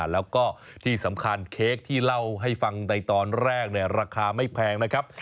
แล้วก็ที่สำคัญเค้กที่เล่าให้ฟังในตอนแรกราคาไม่แพงนะครับ